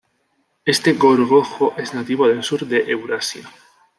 Este gorgojo es nativo del sur de Eurasia.